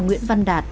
nguyễn văn đạt